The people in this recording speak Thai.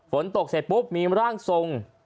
ฝนตกเสร็จปุ๊บมีร่างทรง